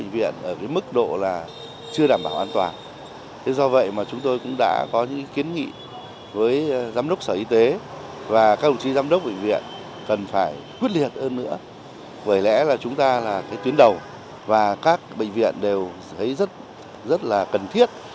và các đồng chí giám đốc bệnh viện cần phải quyết liệt hơn nữa vậy lẽ là chúng ta là cái tuyến đầu và các bệnh viện đều thấy rất là cần thiết